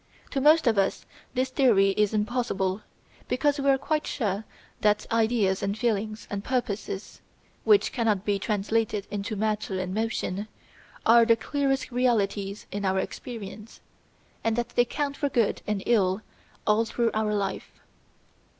To most of us this theory is impossible, because we are quite sure that ideas and feelings and purposes, which cannot be translated into matter and motion, are the clearest realities in our experience, and that they count for good and ill all through our life.